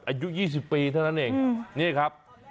อายุ๒๐ปีเท่านั้นเองนี่ครับ